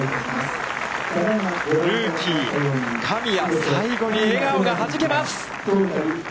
ルーキー、神谷、最後に笑顔がはじけます。